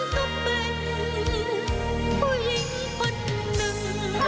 ก็เป็นผู้หญิงคนหนึ่ง